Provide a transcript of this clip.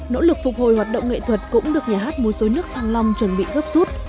nỗ lực phục hồi hoạt động nghệ thuật cũng được nhà hát mùi sối nước thăng long chuẩn bị gấp rút